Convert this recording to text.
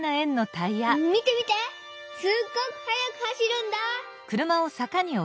見て見てすっごくはやく走るんだ！」。